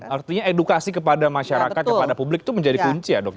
artinya edukasi kepada masyarakat kepada publik itu menjadi kunci ya dok ya